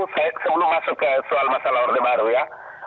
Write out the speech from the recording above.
saya sebelum masuk ke soal masalah orde baru ya